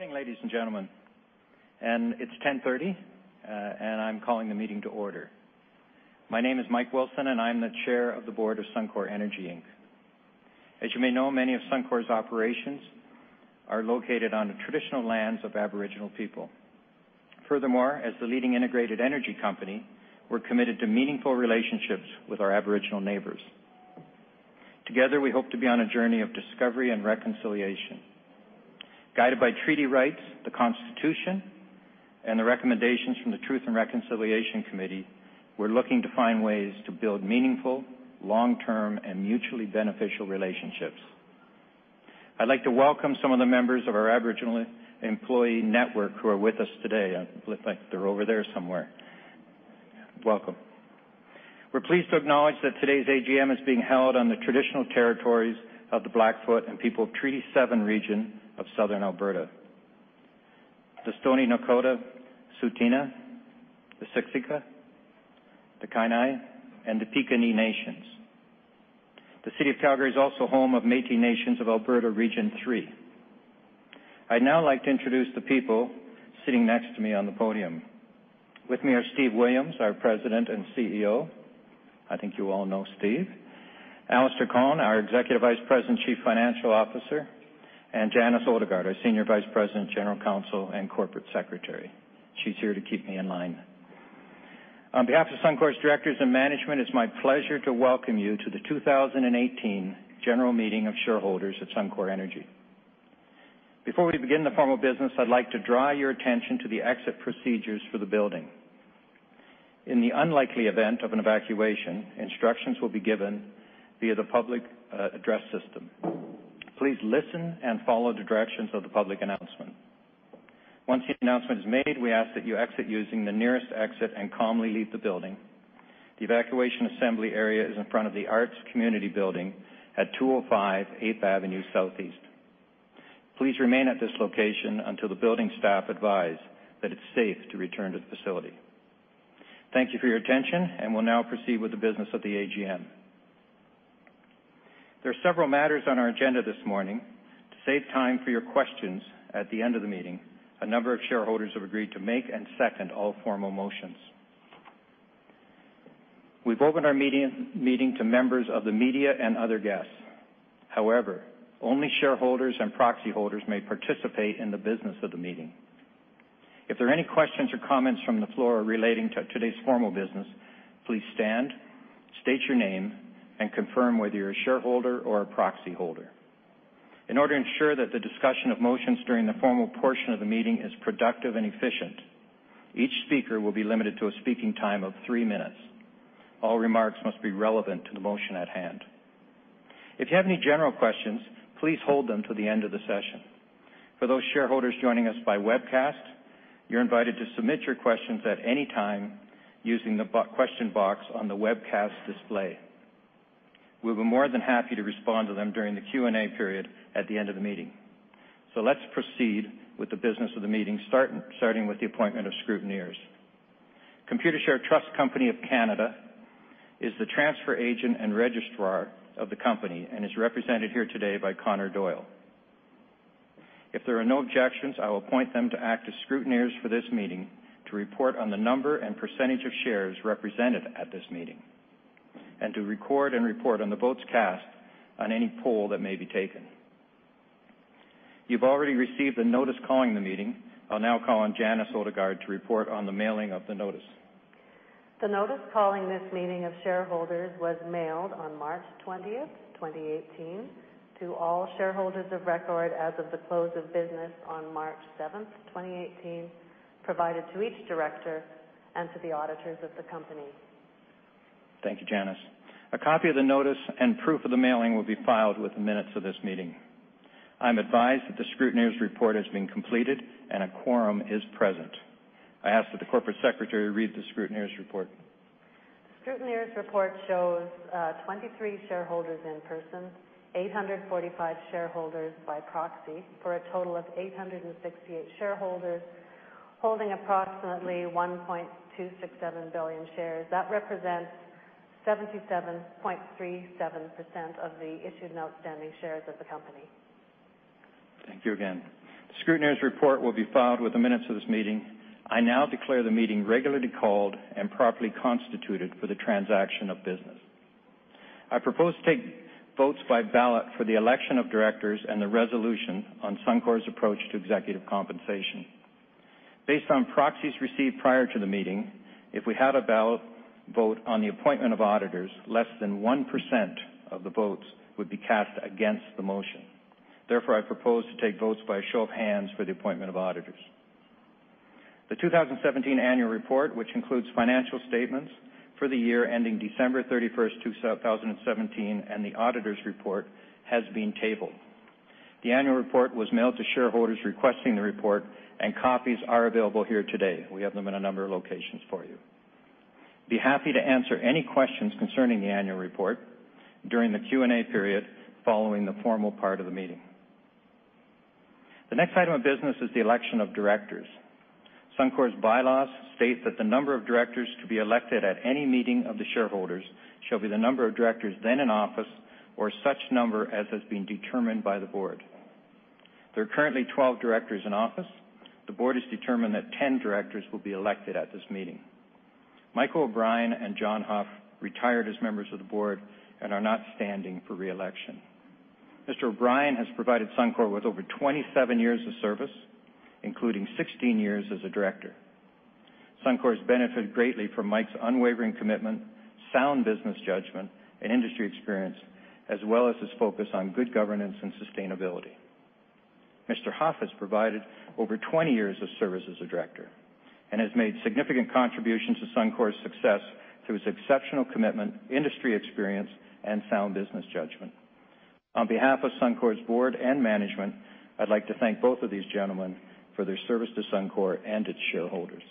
Good morning, ladies and gentlemen. It's 10:30, I'm calling the meeting to order. My name is Michael Wilson, and I'm the Chair of the Board of Suncor Energy Inc. As you may know, many of Suncor's operations are located on the traditional lands of Aboriginal people. Furthermore, as the leading integrated energy company, we're committed to meaningful relationships with our Aboriginal neighbors. Together, we hope to be on a journey of discovery and reconciliation. Guided by treaty rights, the Constitution, and the recommendations from the Truth and Reconciliation Committee, we're looking to find ways to build meaningful, long-term, and mutually beneficial relationships. I'd like to welcome some of the members of our Aboriginal employee network who are with us today. I believe they're over there somewhere. Welcome. We're pleased to acknowledge that today's AGM is being held on the traditional territories of the Blackfoot and people of Treaty 7 region of southern Alberta. The Stoney Nakoda, Tsuut'ina, the Siksika, the Kainai, and the Piikani Nations. The City of Calgary is also home of Métis Nations of Alberta Region 3. I'd now like to introduce the people sitting next to me on the podium. With me are Steve Williams, our President and CEO. I think you all know Steve. Alister Cowan, our Executive Vice President, Chief Financial Officer, and Janice Odegaard, our Senior Vice-President, General Counsel, and Corporate Secretary. She's here to keep me in line. On behalf of Suncor's directors and management, it's my pleasure to welcome you to the 2018 General Meeting of Shareholders at Suncor Energy. Before we begin the formal business, I'd like to draw your attention to the exit procedures for the building. In the unlikely event of an evacuation, instructions will be given via the public address system. Please listen and follow the directions of the public announcement. Once the announcement is made, we ask that you exit using the nearest exit and calmly leave the building. The evacuation assembly area is in front of the Arts Community Building at 205 8th Avenue Southeast. Please remain at this location until the building staff advise that it's safe to return to the facility. Thank you for your attention, we'll now proceed with the business of the AGM. There are several matters on our agenda this morning. To save time for your questions at the end of the meeting, a number of shareholders have agreed to make and second all formal motions. We've opened our meeting to members of the media and other guests. Only shareholders and proxy holders may participate in the business of the meeting. If there are any questions or comments from the floor relating to today's formal business, please stand, state your name, and confirm whether you're a shareholder or a proxy holder. In order to ensure that the discussion of motions during the formal portion of the meeting is productive and efficient, each speaker will be limited to a speaking time of 3 minutes. All remarks must be relevant to the motion at hand. If you have any general questions, please hold them to the end of the session. For those shareholders joining us by webcast, you're invited to submit your questions at any time using the question box on the webcast display. We'll be more than happy to respond to them during the Q&A period at the end of the meeting. Let's proceed with the business of the meeting, starting with the appointment of scrutineers. Computershare Trust Company of Canada is the transfer agent and registrar of the company and is represented here today by Connor Doyle. If there are no objections, I will appoint them to act as scrutineers for this meeting to report on the number and percentage of shares represented at this meeting and to record and report on the votes cast on any poll that may be taken. You've already received the notice calling the meeting. I'll now call on Janice Odegaard to report on the mailing of the notice. The notice calling this meeting of shareholders was mailed on March 20th, 2018, to all shareholders of record as of the close of business on March 7th, 2018, provided to each director, and to the auditors of the company. Thank you, Janice. A copy of the notice and proof of the mailing will be filed with the minutes of this meeting. I'm advised that the scrutineers report has been completed and a quorum is present. I ask that the corporate secretary read the scrutineers report. The scrutineers report shows 23 shareholders in person, 845 shareholders by proxy, for a total of 868 shareholders holding approximately 1.267 billion shares. That represents 77.37% of the issued and outstanding shares of the company. Thank you again. The scrutineers report will be filed with the minutes of this meeting. I now declare the meeting regularly called and properly constituted for the transaction of business. I propose to take votes by ballot for the election of directors and the resolution on Suncor's approach to executive compensation. Based on proxies received prior to the meeting, if we had a ballot vote on the appointment of auditors, less than 1% of the votes would be cast against the motion. Therefore, I propose to take votes by a show of hands for the appointment of auditors. The 2017 annual report, which includes financial statements for the year ending December 31st, 2017, and the auditors report, has been tabled. The annual report was mailed to shareholders requesting the report, and copies are available here today. We have them in a number of locations for you. Be happy to answer any questions concerning the annual report during the Q&A period following the formal part of the meeting. The next item of business is the election of directors. Suncor's bylaws state that the number of directors to be elected at any meeting of the shareholders shall be the number of directors then in office or such number as has been determined by the board. There are currently 12 directors in office. The board has determined that 10 directors will be elected at this meeting. Michael O'Brien and John Huff retired as members of the board and are not standing for re-election. Mr. O'Brien has provided Suncor with over 27 years of service, including 16 years as a director. Suncor has benefited greatly from Mike's unwavering commitment, sound business judgment, and industry experience, as well as his focus on good governance and sustainability. Mr. Huff has provided over 20 years of service as a director and has made significant contributions to Suncor's success through his exceptional commitment, industry experience, and sound business judgment. On behalf of Suncor's board and management, I'd like to thank both of these gentlemen for their service to Suncor and its shareholders.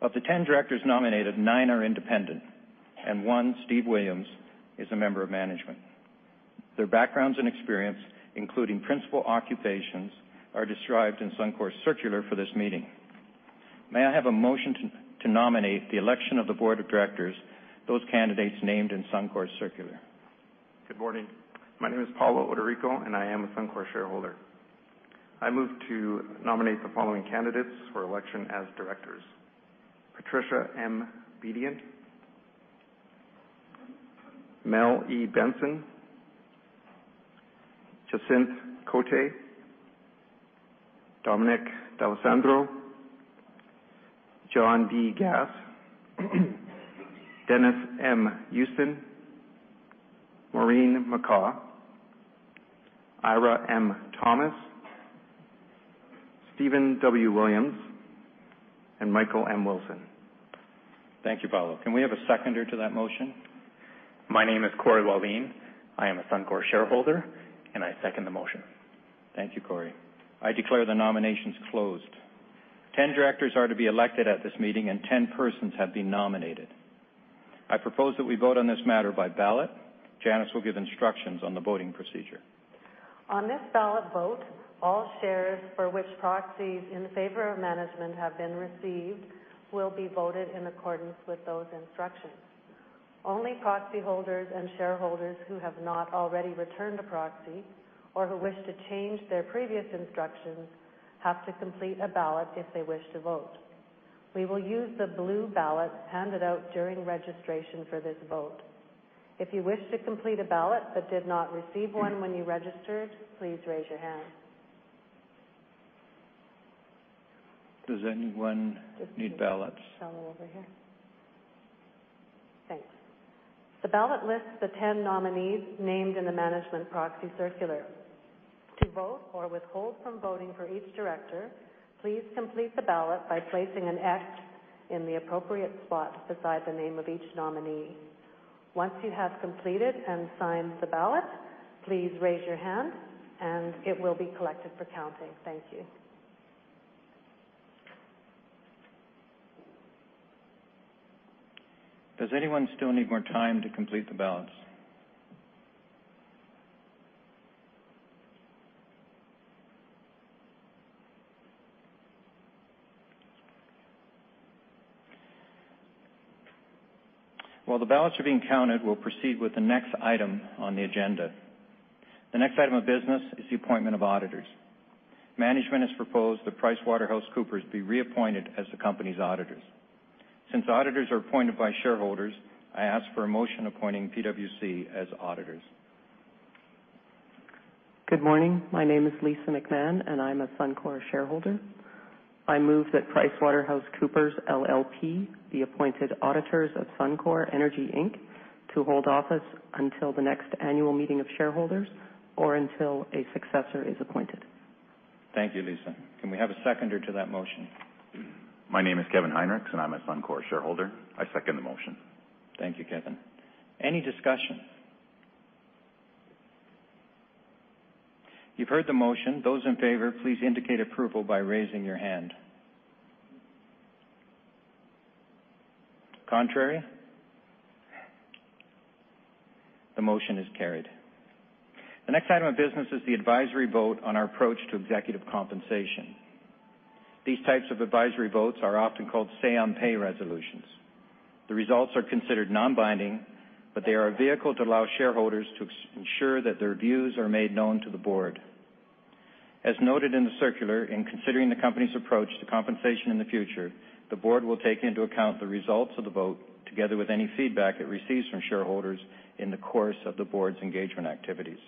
Of the 10 directors nominated, nine are independent, and one, Steve Williams, is a member of management. Their backgrounds and experience, including principal occupations, are described in Suncor's circular for this meeting. May I have a motion to nominate the election of the board of directors, those candidates named in Suncor's circular? Good morning. My name is Paulo Oderico, and I am a Suncor shareholder. I move to nominate the following candidates for election as directors: Patricia M. Bedient, Mel E. Benson, Jacynthe Côté, Dominic D'Alessandro, John D. Gass, Dennis M. Houston, Maureen McCaw, Eira M. Thomas, Steven W. Williams, and Michael M. Wilson. Thank you, Paulo. Can we have a seconder to that motion? My name is Corey Walline. I am a Suncor shareholder, and I second the motion. Thank you, Corey. I declare the nominations closed. 10 directors are to be elected at this meeting, and 10 persons have been nominated. I propose that we vote on this matter by ballot. Janice will give instructions on the voting procedure. On this ballot vote, all shares for which proxies in favor of management have been received will be voted in accordance with those instructions. Only proxy holders and shareholders who have not already returned a proxy or who wish to change their previous instructions have to complete a ballot if they wish to vote. We will use the blue ballots handed out during registration for this vote. If you wish to complete a ballot but did not receive one when you registered, please raise your hand. Does anyone need ballots? Paulo, over here. Thanks. The ballot lists the 10 nominees named in the management proxy circular. To vote or withhold from voting for each director, please complete the ballot by placing an X in the appropriate spot beside the name of each nominee. Once you have completed and signed the ballot, please raise your hand, and it will be collected for counting. Thank you. Does anyone still need more time to complete the ballots? While the ballots are being counted, we'll proceed with the next item on the agenda. The next item of business is the appointment of auditors. Management has proposed that PricewaterhouseCoopers be reappointed as the company's auditors. Since auditors are appointed by shareholders, I ask for a motion appointing PwC as auditors. Good morning. My name is Lisa McMahon, and I'm a Suncor shareholder. I move that PricewaterhouseCoopers LLP be appointed auditors of Suncor Energy Inc., to hold office until the next annual meeting of shareholders or until a successor is appointed. Thank you, Lisa. Can we have a seconder to that motion? My name is Kevin Heinrichs, and I'm a Suncor shareholder. I second the motion. Thank you, Kevin. Any discussion? You've heard the motion. Those in favor, please indicate approval by raising your hand. Contrary? The motion is carried. The next item of business is the advisory vote on our approach to executive compensation. These types of advisory votes are often called say on pay resolutions. The results are considered non-binding, but they are a vehicle to allow shareholders to ensure that their views are made known to the board. As noted in the circular, in considering the company's approach to compensation in the future, the board will take into account the results of the vote, together with any feedback it receives from shareholders in the course of the board's engagement activities.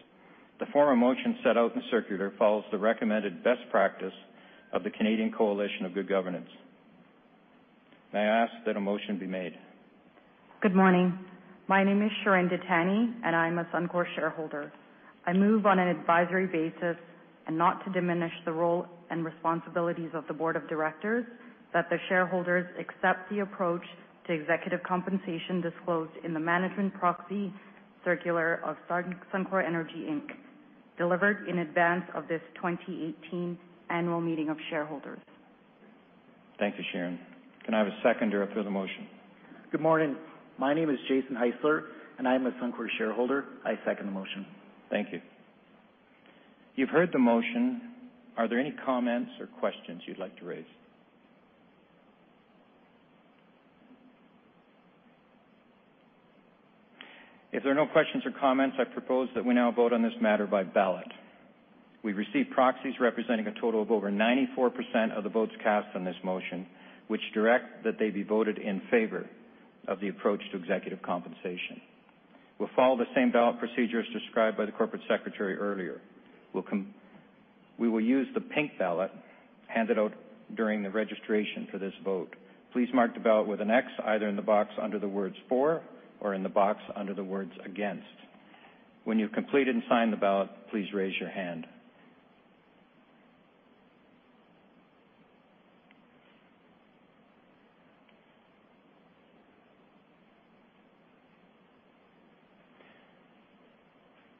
The former motion set out in circular follows the recommended best practice of the Canadian Coalition for Good Governance. May I ask that a motion be made? Good morning. My name is Sharon Ditani, and I'm a Suncor shareholder. I move on an advisory basis and not to diminish the role and responsibilities of the board of directors that the shareholders accept the approach to executive compensation disclosed in the management proxy circular of Suncor Energy Inc., delivered in advance of this 2018 annual meeting of shareholders. Thank you, Sharon. Can I have a seconder approve the motion? Good morning. My name is Jason Heisler, and I am a Suncor shareholder. I second the motion. Thank you. You've heard the motion. Are there any comments or questions you'd like to raise? If there are no questions or comments, I propose that we now vote on this matter by ballot. We've received proxies representing a total of over 94% of the votes cast on this motion, which direct that they be voted in favor of the approach to executive compensation. We'll follow the same ballot procedure as described by the corporate secretary earlier. We will use the pink ballot handed out during the registration for this vote. Please mark the ballot with an X either in the box under the words "for" or in the box under the words "against." When you've completed and signed the ballot, please raise your hand.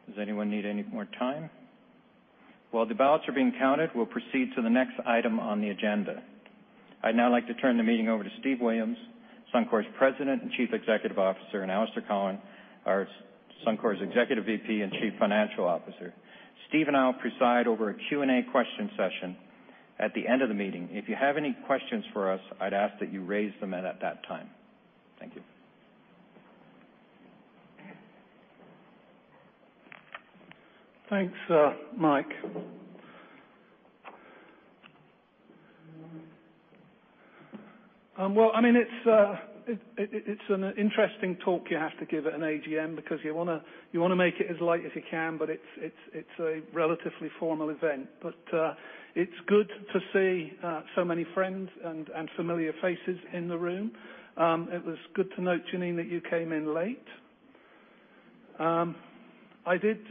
Does anyone need any more time? While the ballots are being counted, we'll proceed to the next item on the agenda. Thanks, Mike. I'd now like to turn the meeting over to Steven W. Williams, Suncor's President and Chief Executive Officer, and Alister Cowan, Suncor's Executive VP and Chief Financial Officer. Steve and I will preside over a Q&A question session at the end of the meeting. If you have any questions for us, I'd ask that you raise them at that time. Thank you. Thanks, Mike. It's an interesting talk you have to give at an AGM, because you want to make it as light as you can. It's a relatively formal event. It's good to see so many friends and familiar faces in the room. It was good to note, Janice, that you came in late. We've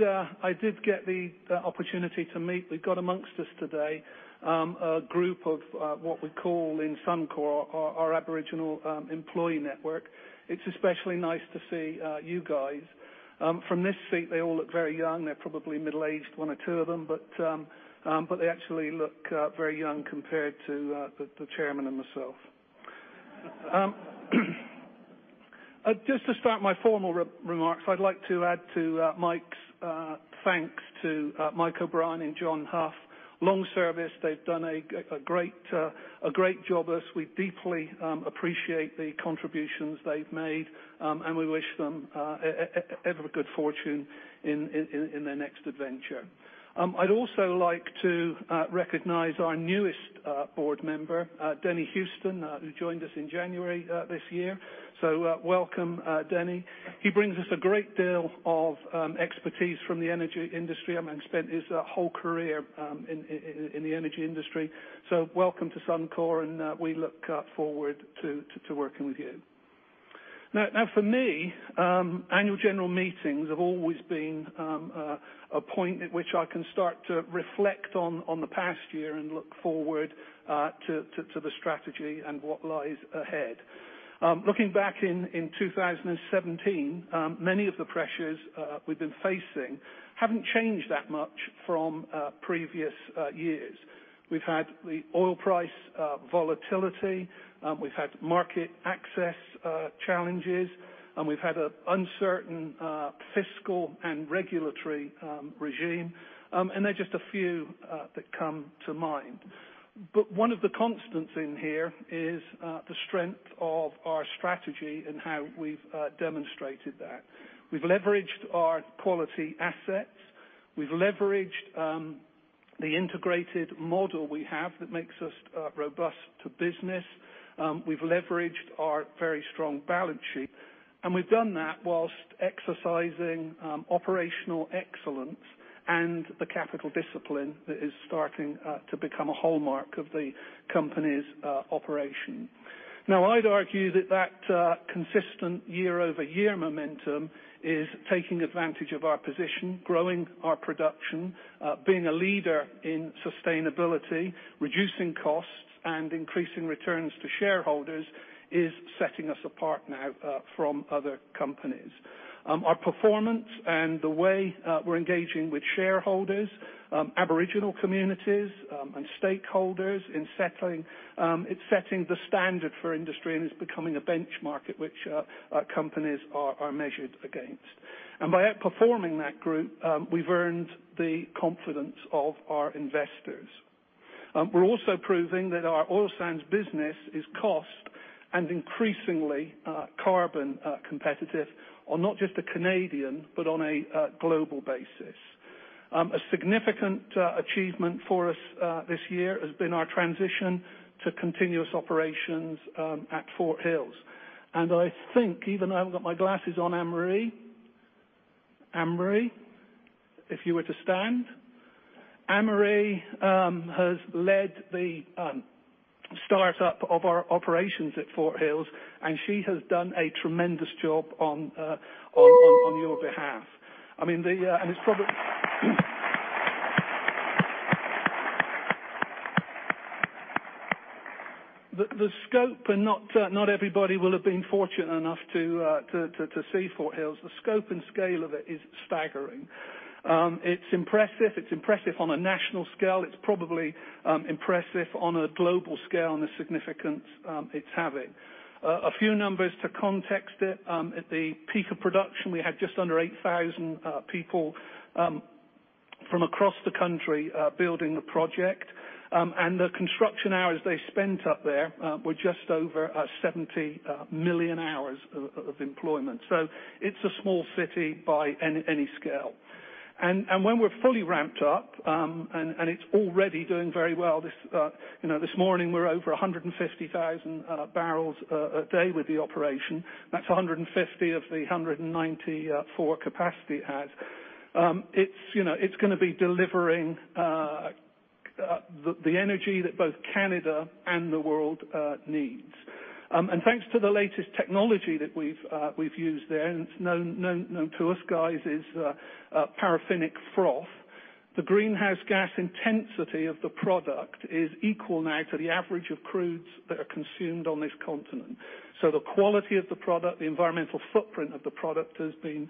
got amongst us today a group of what we call in Suncor, our Aboriginal employee network. It's especially nice to see you guys. From this seat, they all look very young. They're probably middle-aged, one or two of them, but they actually look very young compared to the chairman and myself. Just to start my formal remarks, I'd like to add to Mike's thanks to Michael O'Brien and John Huff. Long service. They've done a great job with us. We deeply appreciate the contributions they've made, and we wish them every good fortune in their next adventure. I'd also like to recognize our newest board member, Denny Houston, who joined us in January this year. Welcome, Denny. He brings us a great deal of expertise from the energy industry, a man who spent his whole career in the energy industry. Welcome to Suncor, and we look forward to working with you. For me, annual general meetings have always been a point at which I can start to reflect on the past year and look forward to the strategy and what lies ahead. Looking back in 2017, many of the pressures we've been facing haven't changed that much from previous years. We've had the oil price volatility, we've had market access challenges, and we've had an uncertain fiscal and regulatory regime. They're just a few that come to mind. One of the constants in here is the strength of our strategy and how we've demonstrated that. We've leveraged our quality assets. We've leveraged the integrated model we have that makes us robust to business. We've leveraged our very strong balance sheet, and we've done that whilst exercising operational excellence and the capital discipline that is starting to become a hallmark of the company's operation. I'd argue that consistent year-over-year momentum is taking advantage of our position, growing our production, being a leader in sustainability, reducing costs, and increasing returns to shareholders is setting us apart now from other companies. Our performance and the way we're engaging with shareholders, Aboriginal communities, and stakeholders in setting the standard for industry, and is becoming a benchmark at which companies are measured against. By outperforming that group, we've earned the confidence of our investors. We're also proving that our oil sands business is cost and increasingly carbon competitive on not just a Canadian but on a global basis. A significant achievement for us this year has been our transition to continuous operations at Fort Hills. I think, even though I haven't got my glasses on, Anne Marie. Anne Marie, if you were to stand. Anne Marie has led the startup of our operations at Fort Hills, and she has done a tremendous job on your behalf. The scope, not everybody will have been fortunate enough to see Fort Hills. The scope and scale of it is staggering. It's impressive. It's impressive on a national scale. It's probably impressive on a global scale on the significance it's having. A few numbers to context it. At the peak of production, we had just under 8,000 people from across the country building the project, and the construction hours they spent up there were just over 70 million hours of employment. It's a small city by any scale. When we're fully ramped up, and it's already doing very well. This morning, we're over 150,000 barrels a day with the operation. That's 150 of the 194 capacity it has. It's going to be delivering the energy that both Canada and the world needs. Thanks to the latest technology that we've used there, and it's known to us guys as paraffinic froth. The greenhouse gas intensity of the product is equal now to the average of crudes that are consumed on this continent. The quality of the product, the environmental footprint of the product has been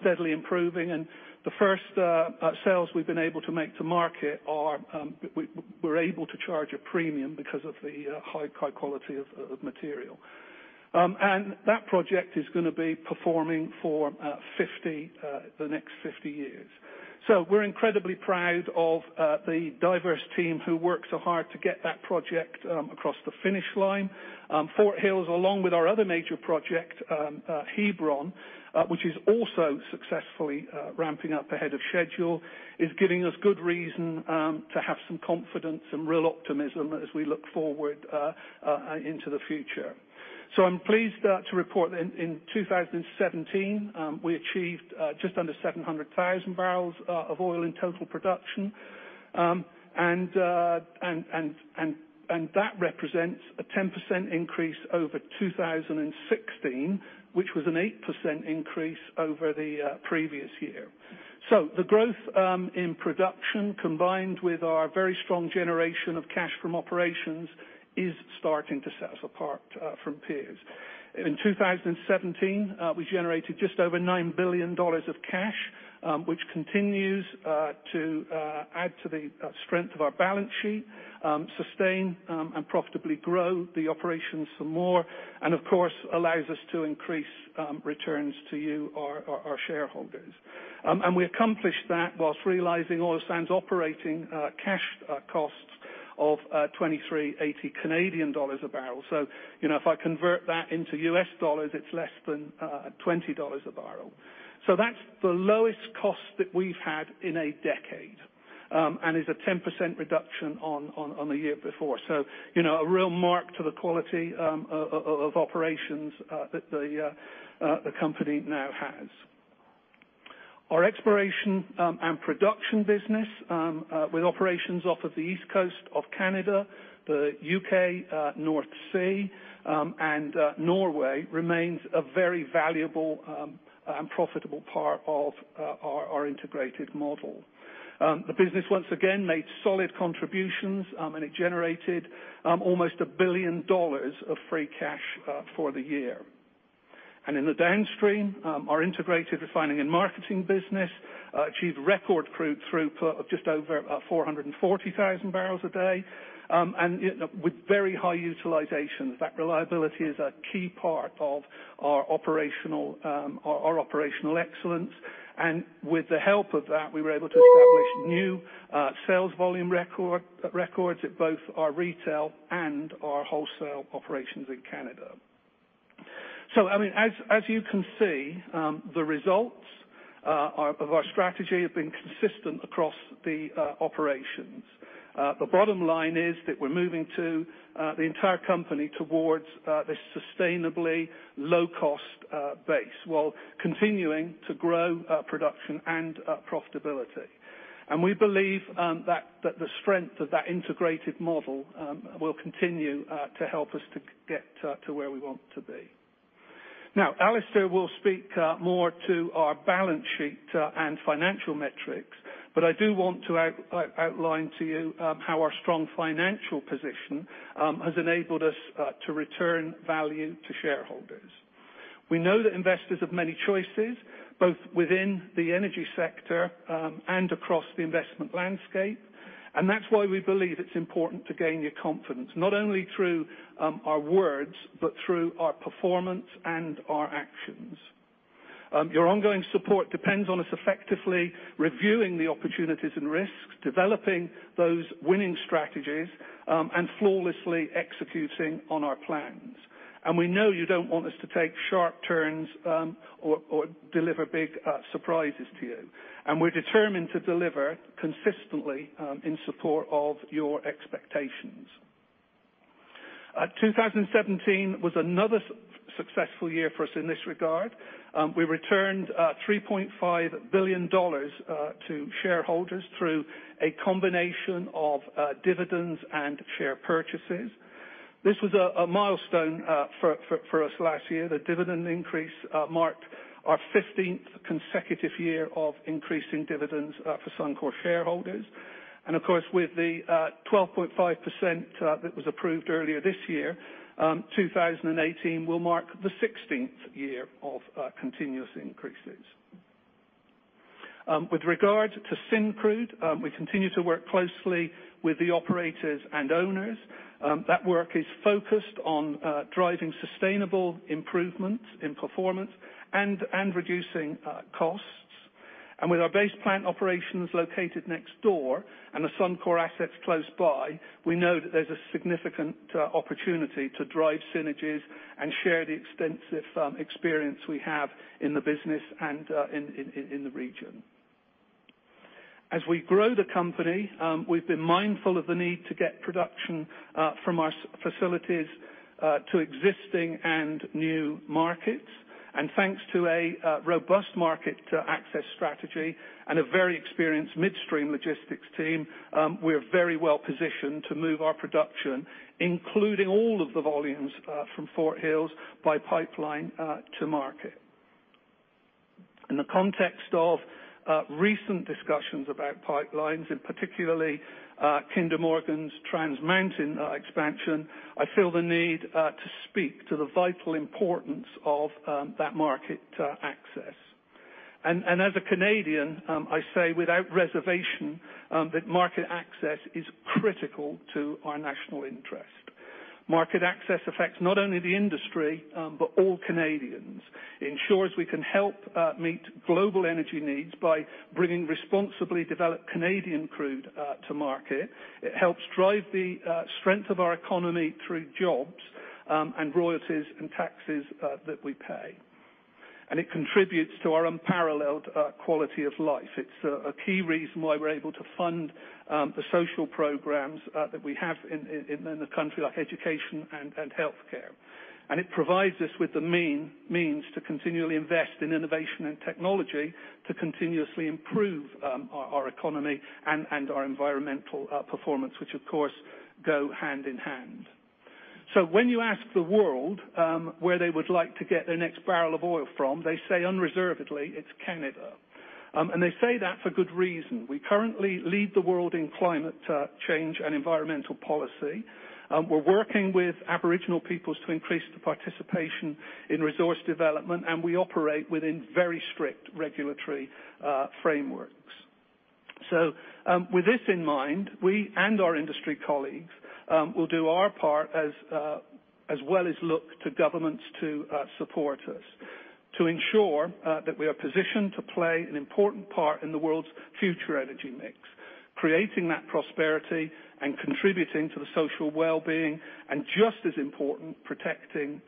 steadily improving, and the first sales we've been able to make to market, we're able to charge a premium because of the high quality of material. That project is going to be performing for the next 50 years. We're incredibly proud of the diverse team who worked so hard to get that project across the finish line. Fort Hills, along with our other major project, Hebron, which is also successfully ramping up ahead of schedule, is giving us good reason to have some confidence and real optimism as we look forward into the future. I'm pleased to report in 2017, we achieved just under 700,000 barrels of oil in total production. That represents a 10% increase over 2016, which was an 8% increase over the previous year. The growth in production, combined with our very strong generation of cash from operations, is starting to set us apart from peers. In 2017, we generated just over 9 billion dollars of cash, which continues to add to the strength of our balance sheet, sustain and profitably grow the operations for more, and of course, allows us to increase returns to you, our shareholders. We accomplished that whilst realizing oil sands operating cash costs of C$23.80 a barrel. If I convert that into US dollars, it's less than $20 a barrel. That's the lowest cost that we've had in a decade, and is a 10% reduction on the year before. A real mark to the quality of operations that the company now has. Our exploration and production business, with operations off of the East Coast of Canada, the U.K., North Sea, and Norway, remains a very valuable and profitable part of our integrated model. The business once again made solid contributions, and it generated almost 1 billion dollars of free cash for the year. In the downstream, our integrated refining and marketing business achieved record crude throughput of just over 440,000 barrels a day, with very high utilizations. That reliability is a key part of our operational excellence. With the help of that, we were able to establish new sales volume records at both our retail and our wholesale operations in Canada. I mean, as you can see, the results of our strategy have been consistent across the operations. The bottom line is that we're moving to the entire company towards this sustainably low-cost base while continuing to grow production and profitability. We believe that the strength of that integrated model will continue to help us to get to where we want to be. Now, Alister will speak more to our balance sheet and financial metrics, but I do want to outline to you how our strong financial position has enabled us to return value to shareholders. We know that investors have many choices, both within the energy sector and across the investment landscape, that's why we believe it's important to gain your confidence, not only through our words, but through our performance and our actions. Your ongoing support depends on us effectively reviewing the opportunities and risks, developing those winning strategies, and flawlessly executing on our plans. We know you don't want us to take sharp turns or deliver big surprises to you. We're determined to deliver consistently in support of your expectations. 2017 was another successful year for us in this regard. We returned 3.5 billion dollars to shareholders through a combination of dividends and share purchases. This was a milestone for us last year. The dividend increase marked our 15th consecutive year of increasing dividends for Suncor shareholders. Of course, with the 12.5% that was approved earlier this year, 2018 will mark the 16th year of continuous increases. With regard to Syncrude, we continue to work closely with the operators and owners. That work is focused on driving sustainable improvements in performance and reducing costs. With our base plant operations located next door, and the Suncor assets close by, we know that there's a significant opportunity to drive synergies and share the extensive experience we have in the business and in the region. As we grow the company, we've been mindful of the need to get production from our facilities to existing and new markets. Thanks to a robust market access strategy and a very experienced midstream logistics team, we are very well-positioned to move our production, including all of the volumes from Fort Hills by pipeline to market. In the context of recent discussions about pipelines, and particularly Kinder Morgan's Trans Mountain expansion, I feel the need to speak to the vital importance of that market access. As a Canadian, I say without reservation, that market access is critical to our national interest. Market access affects not only the industry, but all Canadians. It ensures we can help meet global energy needs by bringing responsibly developed Canadian crude to market. It helps drive the strength of our economy through jobs, and royalties, and taxes that we pay. It contributes to our unparalleled quality of life. It's a key reason why we're able to fund the social programs that we have in the country, like education and healthcare. It provides us with the means to continually invest in innovation and technology to continuously improve our economy and our environmental performance, which, of course, go hand-in-hand. When you ask the world where they would like to get their next barrel of oil from, they say unreservedly, it's Canada. They say that for good reason. We currently lead the world in climate change and environmental policy. We're working with Aboriginal peoples to increase the participation in resource development, and we operate within very strict regulatory frameworks. With this in mind, we and our industry colleagues will do our part as well as look to governments to support us to ensure that we are positioned to play an important part in the world's future energy mix, creating that prosperity and contributing to the social wellbeing, and just as important, protecting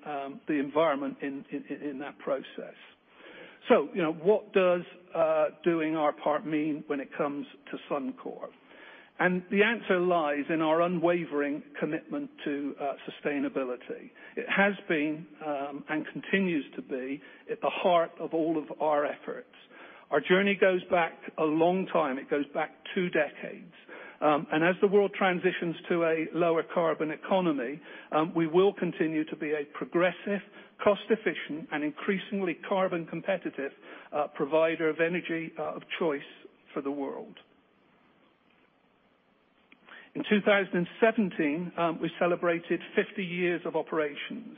the environment in that process. What does doing our part mean when it comes to Suncor? The answer lies in our unwavering commitment to sustainability. It has been, and continues to be, at the heart of all of our efforts. Our journey goes back a long time. It goes back two decades. As the world transitions to a lower carbon economy, we will continue to be a progressive, cost-efficient, and increasingly carbon competitive provider of energy of choice for the world. In 2017, we celebrated 50 years of operations,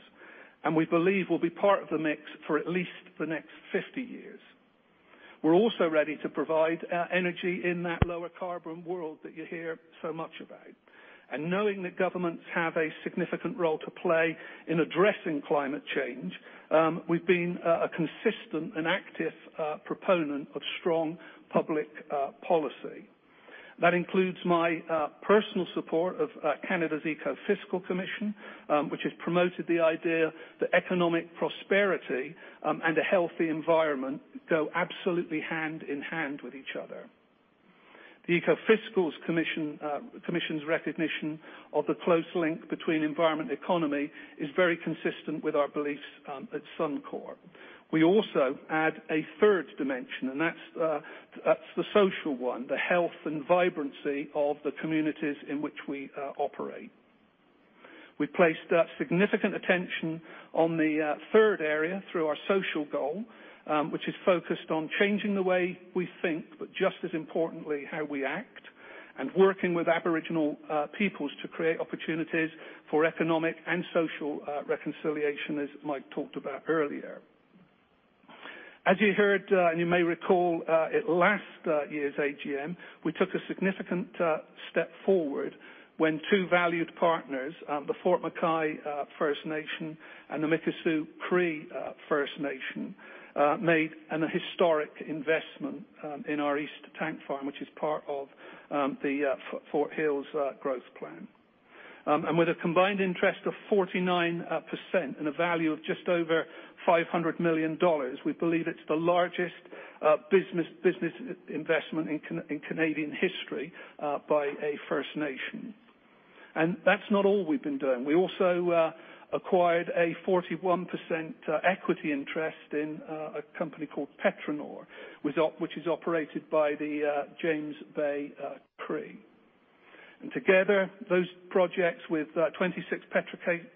and we believe we'll be part of the mix for at least the next 50 years. We're also ready to provide our energy in that lower carbon world that you hear so much about. Knowing that governments have a significant role to play in addressing climate change, we've been a consistent and active proponent of strong public policy. That includes my personal support of Canada's Ecofiscal Commission, which has promoted the idea that economic prosperity and a healthy environment go absolutely hand-in-hand with each other. The Ecofiscal Commission's recognition of the close link between environment and economy is very consistent with our beliefs at Suncor. We also add a third dimension, that's the social one, the health and vibrancy of the communities in which we operate. We placed significant attention on the third area through our social goal, which is focused on changing the way we think, but just as importantly, how we act. Working with Aboriginal peoples to create opportunities for economic and social reconciliation, as Mike talked about earlier. As you heard, and you may recall at last year's AGM, we took a significant step forward when two valued partners, the Fort McKay First Nation and the Mikisew Cree First Nation, made an historic investment in our East Tank Farm, which is part of the Fort Hills growth plan. With a combined interest of 49% and a value of just over 500 million dollars, we believe it's the largest business investment in Canadian history by a First Nation. That's not all we've been doing. We also acquired a 41% equity interest in a company called PetroNor, which is operated by the James Bay Cree. Together, those projects with 26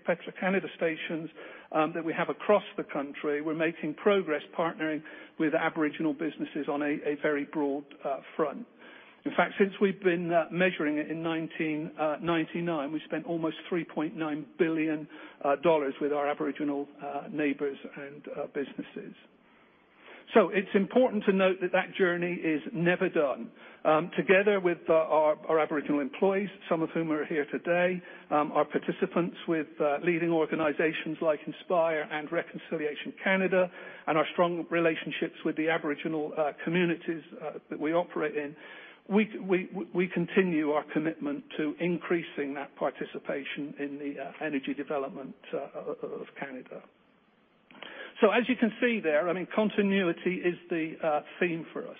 Petro-Canada stations that we have across the country, we're making progress partnering with Aboriginal businesses on a very broad front. In fact, since we've been measuring it in 1999, we've spent almost 3.9 billion dollars with our Aboriginal neighbors and businesses. It's important to note that journey is never done. Together with our Aboriginal employees, some of whom are here today, our participants with leading organizations like Indspire and Reconciliation Canada, and our strong relationships with the Aboriginal communities that we operate in, we continue our commitment to increasing that participation in the energy development of Canada. As you can see there, continuity is the theme for us,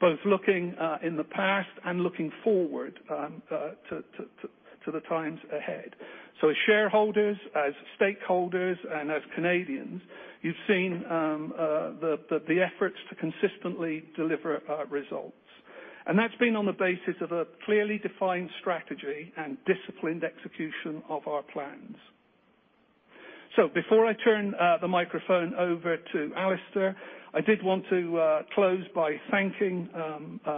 both looking in the past and looking forward to the times ahead. As shareholders, as stakeholders, and as Canadians, you've seen the efforts to consistently deliver results. That's been on the basis of a clearly defined strategy and disciplined execution of our plans. Before I turn the microphone over to Alister, I did want to close by thanking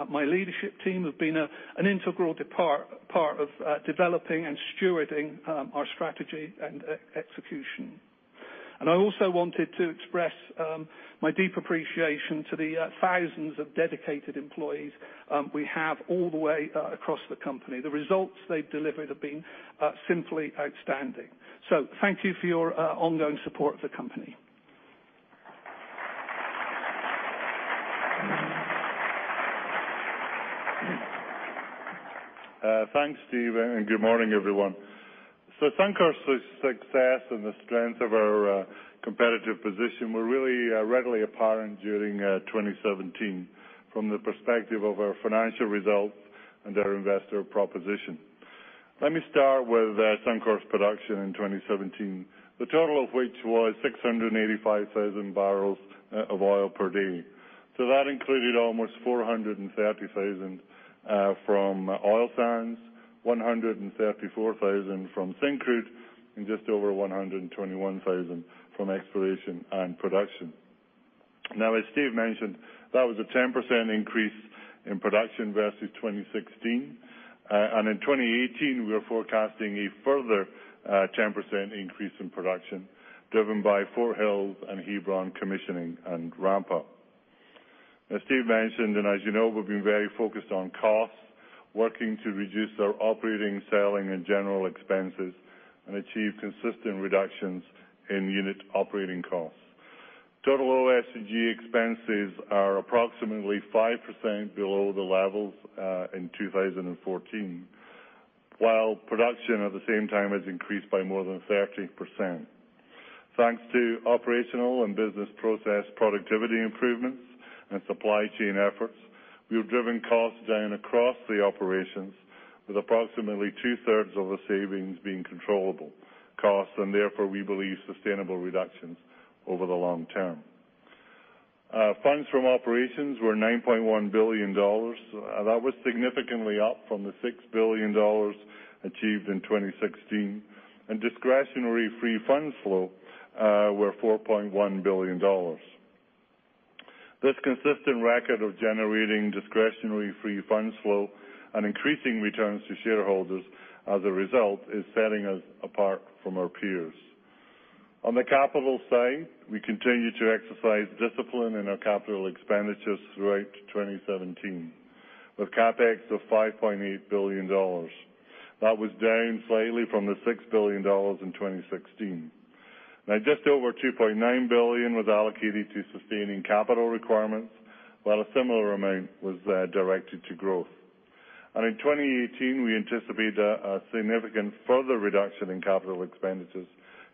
my leadership team, who have been an integral part of developing and stewarding our strategy and execution. I also wanted to express my deep appreciation to the thousands of dedicated employees we have all the way across the company. The results they've delivered have been simply outstanding. Thank you for your ongoing support of the company. Thanks, Steve, and good morning, everyone. Suncor's success and the strength of our competitive position were really readily apparent during 2017 from the perspective of our financial results and our investor proposition. Let me start with Suncor's production in 2017, the total of which was 685,000 barrels of oil per day. That included almost 430,000 from oil sands, 134,000 from Syncrude, and just over 121,000 from exploration and production. Now, as Steve mentioned, that was a 10% increase in production versus 2016. In 2018, we are forecasting a further 10% increase in production, driven by Fort Hills and Hebron commissioning and ramp up. As Steve mentioned, and as you know, we've been very focused on costs, working to reduce our operating, selling, and general expenses and achieve consistent reductions in unit operating costs. Total OS&G expenses are approximately 5% below the levels in 2014, while production at the same time has increased by more than 30%. Thanks to operational and business process productivity improvements and supply chain efforts, we have driven costs down across the operations with approximately two-thirds of the savings being controllable costs, and therefore, we believe sustainable reductions over the long term. Funds from operations were 9.1 billion dollars. That was significantly up from the 6 billion dollars achieved in 2016. Discretionary free funds flow were 4.1 billion dollars. This consistent record of generating discretionary free funds flow and increasing returns to shareholders as a result is setting us apart from our peers. On the capital side, we continue to exercise discipline in our capital expenditures throughout 2017, with CapEx of 5.8 billion dollars. That was down slightly from the 6 billion dollars in 2016. Just over 2.9 billion was allocated to sustaining capital requirements, while a similar amount was directed to growth. In 2018, we anticipate a significant further reduction in capital expenditures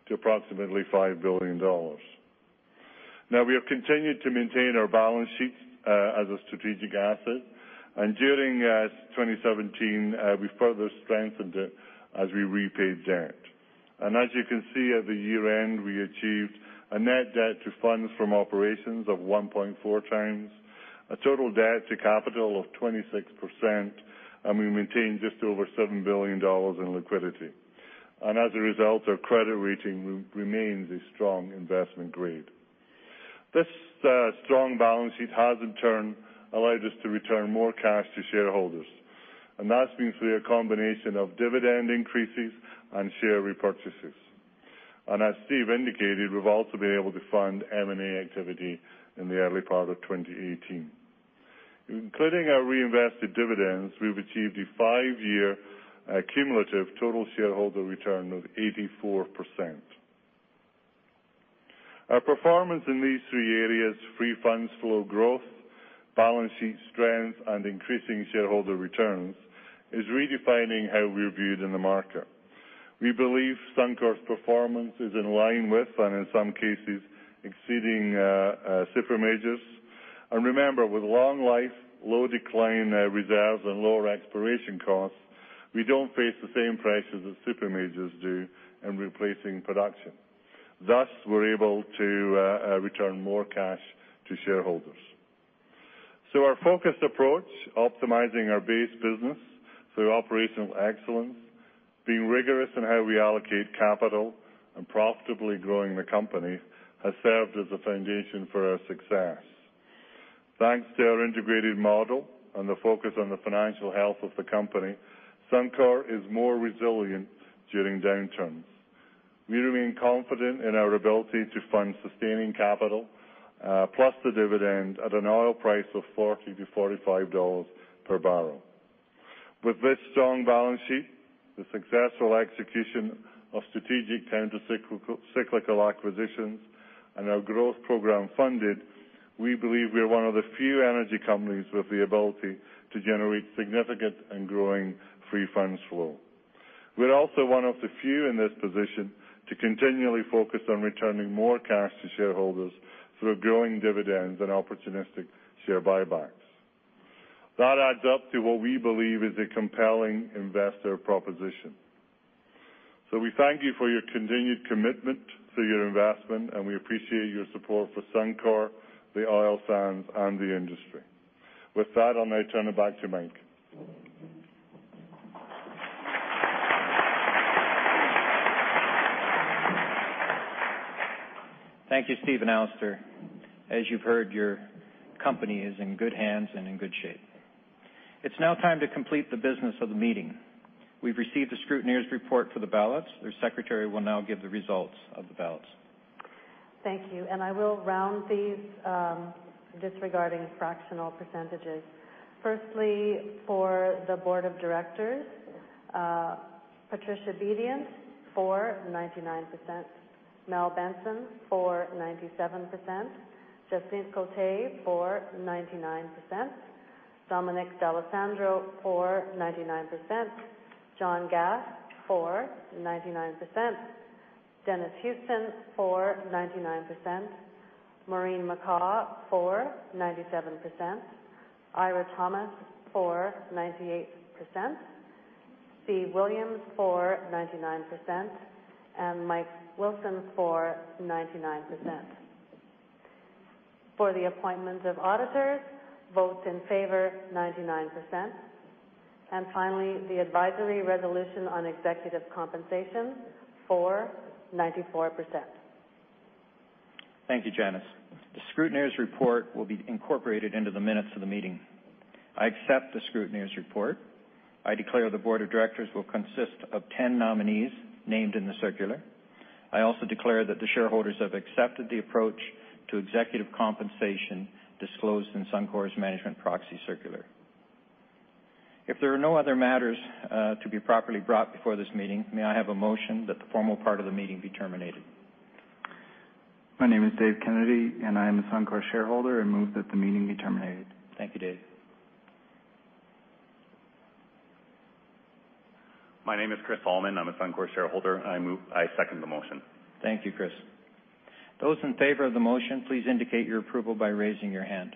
to approximately 5 billion dollars. We have continued to maintain our balance sheets as a strategic asset, and during 2017, we further strengthened it as we repaid debt. As you can see at the year-end, we achieved a net debt to funds from operations of 1.4 times, a total debt to capital of 26%, and we maintained just over 7 billion dollars in liquidity. As a result, our credit rating remains a strong investment grade. This strong balance sheet has in turn allowed us to return more cash to shareholders, and that's been through a combination of dividend increases and share repurchases. As Steve indicated, we've also been able to fund M&A activity in the early part of 2018. Including our reinvested dividends, we've achieved a five-year cumulative total shareholder return of 84%. Our performance in these three areas, free funds flow growth, balance sheet strength, and increasing shareholder returns, is redefining how we're viewed in the market. We believe Suncor's performance is in line with, and in some cases, exceeding super majors. Remember, with long life, low decline reserves, and lower exploration costs, we don't face the same pressures that super majors do in replacing production. Thus, we're able to return more cash to shareholders. Our focused approach, optimizing our base business through operational excellence, being rigorous in how we allocate capital and profitably growing the company, has served as a foundation for our success. Thanks to our integrated model and the focus on the financial health of the company, Suncor is more resilient during downturns. We remain confident in our ability to fund sustaining capital, plus the dividend, at an oil price of 40 to 45 dollars per barrel. With this strong balance sheet, the successful execution of strategic counter cyclical acquisitions, and our growth program funded, we believe we are one of the few energy companies with the ability to generate significant and growing free funds flow. We're also one of the few in this position to continually focus on returning more cash to shareholders through growing dividends and opportunistic share buybacks. That adds up to what we believe is a compelling investor proposition. We thank you for your continued commitment to your investment, and we appreciate your support for Suncor, the oil sands, and the industry. With that, I'll now turn it back to Mike. Thank you, Steve and Alister. As you've heard, your company is in good hands and in good shape. It's now time to complete the business of the meeting. We've received the scrutineer's report for the ballots. The secretary will now give the results of the ballots. Thank you, I will round these, disregarding fractional percentages. Firstly, for the board of directors, Patricia Bedient, for 99%. Mel Benson, for 97%. Jacynthe Côté, for 99%. Dominic D'Alessandro, for 99%. John D. Gass, for 99%. Dennis Houston, for 99%. Maureen McCaw, for 97%. Eira Thomas, for 98%. Steve Williams, for 99%. And Mike Wilson, for 99%. For the appointment of auditors, votes in favor, 99%. Finally, the advisory resolution on executive compensation, for 94%. Thank you, Janice. The scrutineer's report will be incorporated into the minutes of the meeting. I accept the scrutineer's report. I declare the board of directors will consist of 10 nominees named in the circular. I also declare that the shareholders have accepted the approach to executive compensation disclosed in Suncor's management proxy circular. If there are no other matters to be properly brought before this meeting, may I have a motion that the formal part of the meeting be terminated? My name is Dave Kennedy, and I am a Suncor shareholder, and move that the meeting be terminated. Thank you, Dave. My name is Chris Alman. I'm a Suncor shareholder, and I second the motion. Thank you, Chris. Those in favor of the motion, please indicate your approval by raising your hand.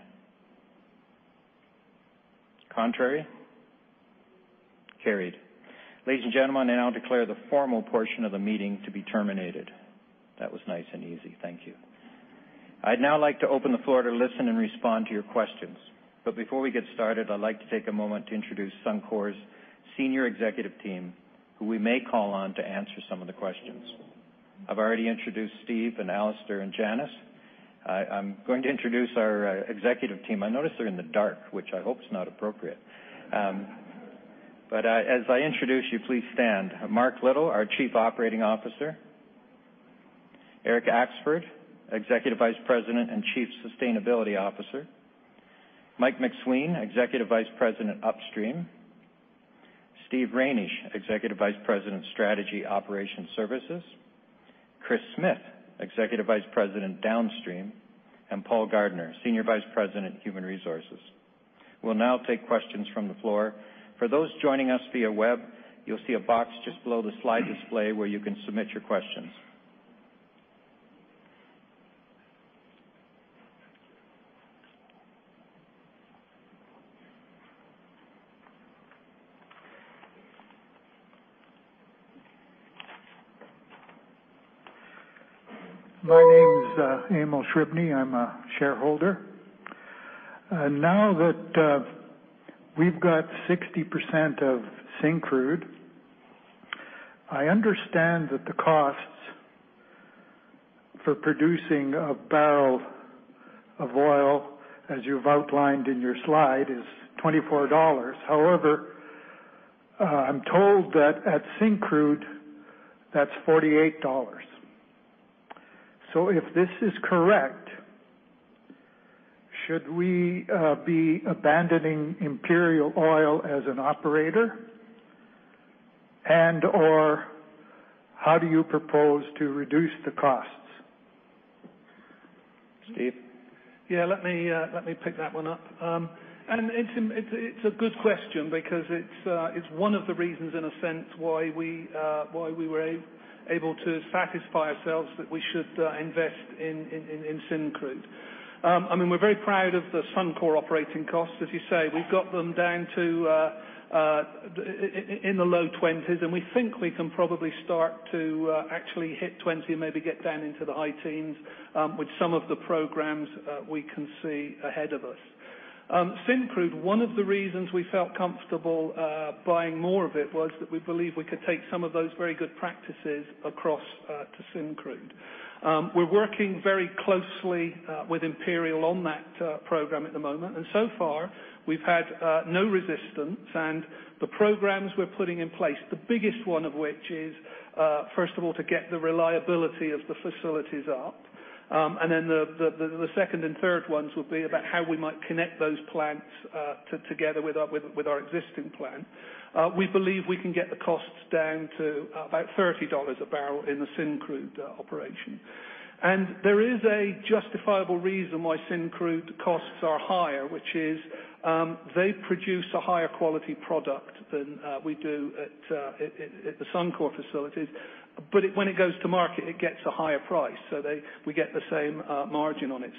Contrary? Carried. Ladies and gentlemen, I now declare the formal portion of the meeting to be terminated. That was nice and easy, thank you. I'd now like to open the floor to listen and respond to your questions. Before we get started, I'd like to take a moment to introduce Suncor's Senior Executive Team, who we may call on to answer some of the questions. I've already introduced Steve and Alister and Janice. I'm going to introduce our executive team. I notice they're in the dark, which I hope is not appropriate. As I introduce you, please stand. Mark Little, our Chief Operating Officer. Eric Axford, Executive Vice President and Chief Sustainability Officer. Michael MacSween, Executive Vice President, Upstream. Stephen Reynish, Executive Vice President, Strategy Operations Services. Kris Smith, Executive Vice President, Downstream. Paul Gardner, Senior Vice President, Human Resources. We'll now take questions from the floor. For those joining us via web, you'll see a box just below the slide display where you can submit your questions. My name is Emil Shribney, I'm a shareholder. Now that we've got 60% of Syncrude, I understand that the costs for producing a barrel of oil, as you've outlined in your slide, is 24 dollars. However, I'm told that at Syncrude, that's 48 dollars. If this is correct, should we be abandoning Imperial Oil as an operator? And/or how do you propose to reduce the costs? Steve? Let me pick that one up. It's a good question because it's one of the reasons, in a sense, why we were able to satisfy ourselves that we should invest in Syncrude. We're very proud of the Suncor operating costs. As you say, we've got them down to in the low 20s, and we think we can probably start to actually hit 20, maybe get down into the high teens, with some of the programs we can see ahead of us. Syncrude, one of the reasons we felt comfortable buying more of it was that we believe we could take some of those very good practices across to Syncrude. We're working very closely with Imperial on that program at the moment, and so far we've had no resistance. The programs we're putting in place, the biggest one of which is, first of all, to get the reliability of the facilities up The second and third ones will be about how we might connect those plants together with our existing plant. We believe we can get the costs down to about 30 dollars a barrel in the Syncrude operation. There is a justifiable reason why Syncrude costs are higher, which is they produce a higher quality product than we do at the Suncor facilities. When it goes to market, it gets a higher price, so we get the same margin on it.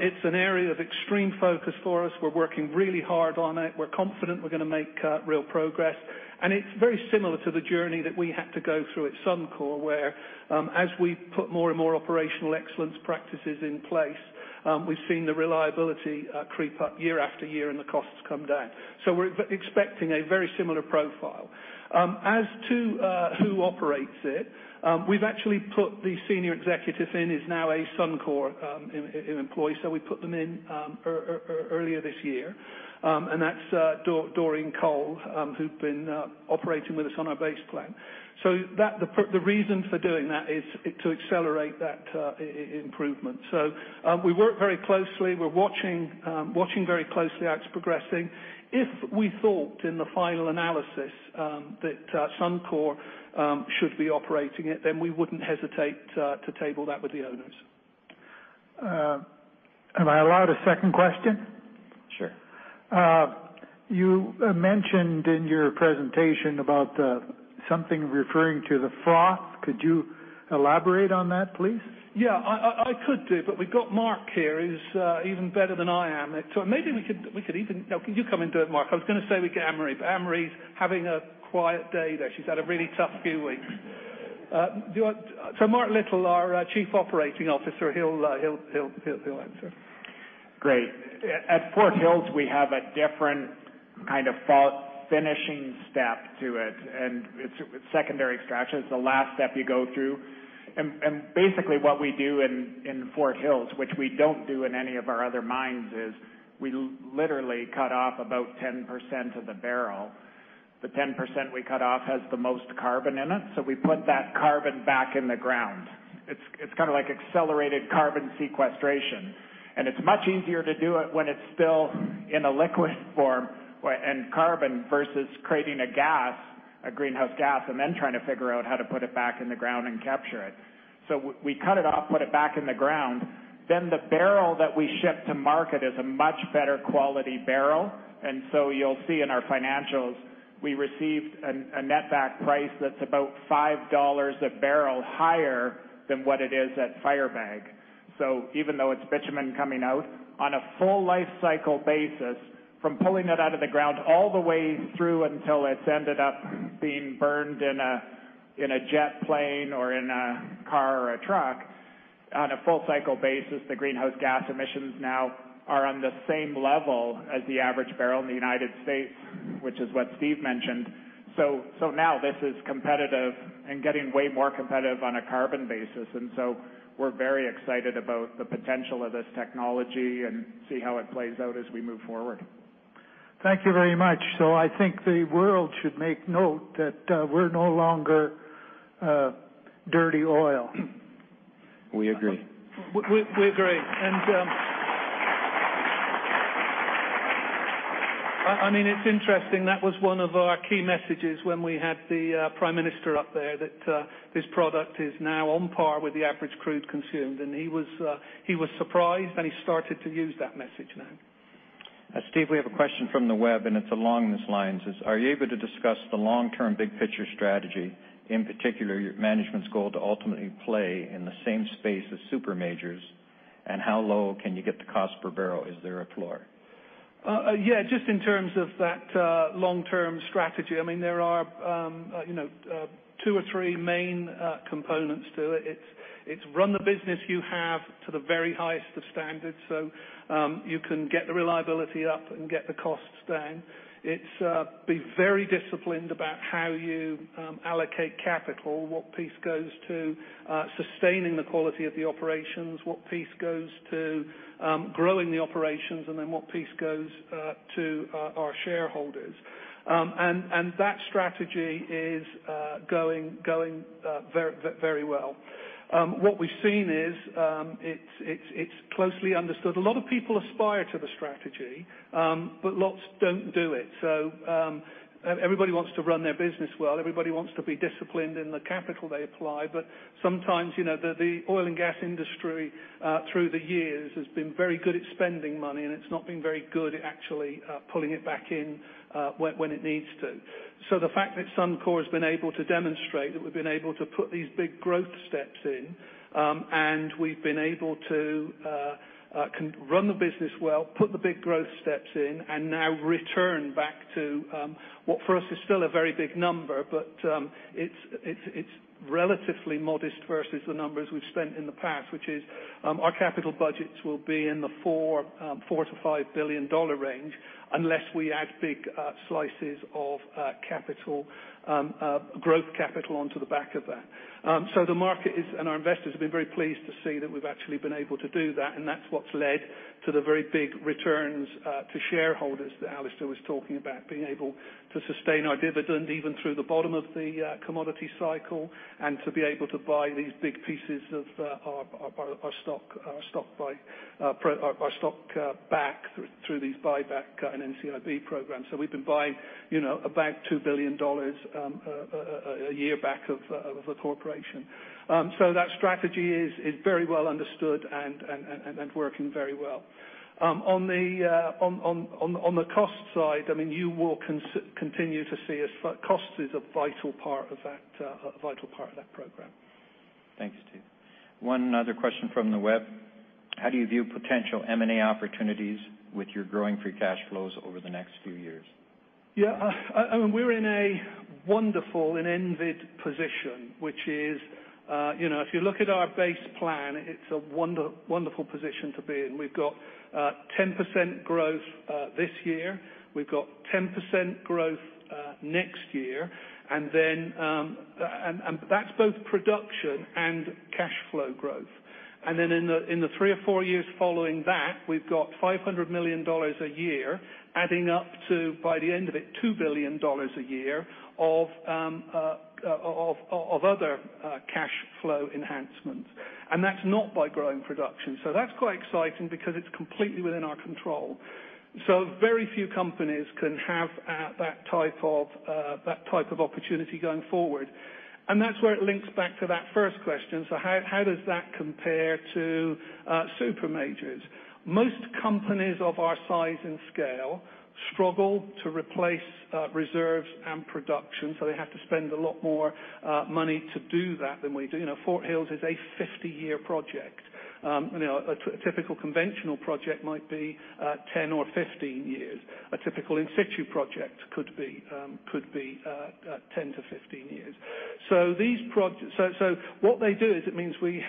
It's an area of extreme focus for us. We're working really hard on it. We're confident we're going to make real progress. It's very similar to the journey that we had to go through at Suncor, where as we put more and more operational excellence practices in place, we've seen the reliability creep up year after year and the costs come down. We're expecting a very similar profile. As to who operates it, we've actually put the senior executive in. He's now a Suncor employee, we put them in earlier this year, and that's Doreen Cole, who'd been operating with us on our base plan. The reason for doing that is to accelerate that improvement. We work very closely. We're watching very closely how it's progressing. If we thought in the final analysis that Suncor should be operating it, then we wouldn't hesitate to table that with the owners. Am I allowed a second question? Sure. You mentioned in your presentation about something referring to the froth. Could you elaborate on that, please? I could do, but we've got Mark here who's even better than I am at. Could you come and do it, Mark? I was going to say we get Anne Marie, but Anne Marie's having a quiet day there. She's had a really tough few weeks. Mark Little, our Chief Operating Officer, he'll answer. Great. At Fort Hills, we have a different kind of froth treatment step to it, and it's secondary extraction. It's the last step you go through. Basically what we do in Fort Hills, which we don't do in any of our other mines, is we literally cut off about 10% of the barrel. The 10% we cut off has the most carbon in it, so we put that carbon back in the ground. It's kind of like accelerated carbon sequestration, and it's much easier to do it when it's still in a liquid form and carbon versus creating a gas, a greenhouse gas, and then trying to figure out how to put it back in the ground and capture it. We cut it off, put it back in the ground. The barrel that we ship to market is a much better quality barrel. You'll see in our financials, we received a netback price that's about 5 dollars a barrel higher than what it is at Firebag. Even though it's bitumen coming out, on a full lifecycle basis, from pulling it out of the ground all the way through until it's ended up being burned in a jet plane or in a car or a truck. On a full cycle basis, the greenhouse gas emissions now are on the same level as the average barrel in the U.S., which is what Steve mentioned. Now this is competitive and getting way more competitive on a carbon basis. We're very excited about the potential of this technology and see how it plays out as we move forward. Thank you very much. I think the world should make note that we're no longer dirty oil. We agree. I mean, it's interesting. That was one of our key messages when we had the prime minister up there, that this product is now on par with the average crude consumed. He was surprised, and he started to use that message now. Steve, we have a question from the web, and it's along these lines. Are you able to discuss the long-term big picture strategy, in particular, your management's goal to ultimately play in the same space as super majors? How low can you get the cost per barrel? Is there a floor? Just in terms of that long-term strategy, I mean, there are two or three main components to it. It's run the business you have to the very highest of standards so you can get the reliability up and get the costs down. It's be very disciplined about how you allocate capital, what piece goes to sustaining the quality of the operations, what piece goes to growing the operations, and then what piece goes to our shareholders. That strategy is going very well. What we've seen is it's closely understood. A lot of people aspire to the strategy, but lots don't do it. Everybody wants to run their business well. Everybody wants to be disciplined in the capital they apply. Sometimes, the oil and gas industry, through the years, has been very good at spending money, and it's not been very good at actually pulling it back in when it needs to. The fact that Suncor has been able to demonstrate that we've been able to put these big growth steps in, and we've been able to run the business well, put the big growth steps in, and now return back to what for us is still a very big number, but it's relatively modest versus the numbers we've spent in the past. Our capital budgets will be in the 4 billion-5 billion dollar range unless we add big slices of growth capital onto the back of that. The market and our investors have been very pleased to see that we've actually been able to do that, and that's what's led to the very big returns to shareholders that Alister was talking about. Being able to sustain our dividend even through the bottom of the commodity cycle and to be able to buy these big pieces of our stock back through these buyback and NCIB programs. We've been buying about 2 billion dollars a year back of the corporation. That strategy is very well understood and working very well. On the cost side, you will continue to see as cost is a vital part of that program. Thanks, Steve. One other question from the web. How do you view potential M&A opportunities with your growing free cash flows over the next few years? We're in a wonderful and envied position, which is, if you look at our base plan, it's a wonderful position to be in. We've got 10% growth this year. We've got 10% growth next year. That's both production and cash flow growth. In the three or four years following that, we've got 500 million dollars a year adding up to, by the end of it, 2 billion dollars a year of other cash flow enhancements. That's not by growing production. That's quite exciting because it's completely within our control. Very few companies can have that type of opportunity going forward. That's where it links back to that first question. How does that compare to super majors? Most companies of our size and scale struggle to replace reserves and production. They have to spend a lot more money to do that than we do. Fort Hills is a 50-year project. A typical conventional project might be 10 or 15 years. A typical in situ project could be 10 to 15 years. What they do is it means we're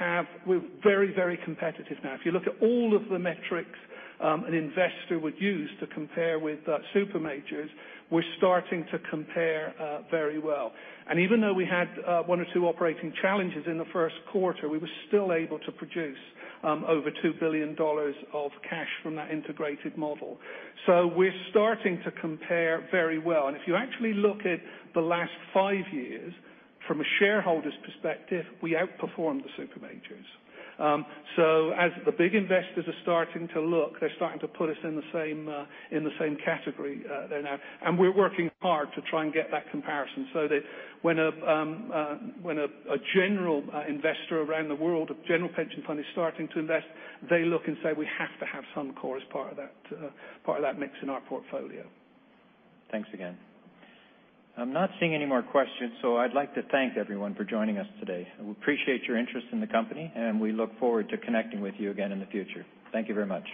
very competitive now. If you look at all of the metrics an investor would use to compare with super majors, we're starting to compare very well. Even though we had one or two operating challenges in the first quarter, we were still able to produce over 2 billion dollars of cash from that integrated model. We're starting to compare very well. If you actually look at the last five years from a shareholder's perspective, we outperformed the super majors. As the big investors are starting to look, they're starting to put us in the same category there now, and we're working hard to try and get that comparison so that when a general investor around the world, a general pension fund is starting to invest, they look and say, "We have to have Suncor as part of that mix in our portfolio. Thanks again. I'm not seeing any more questions, I'd like to thank everyone for joining us today. We appreciate your interest in the company, and we look forward to connecting with you again in the future. Thank you very much